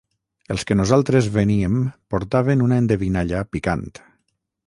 Els que nosaltres veníem portaven una endevinalla picant.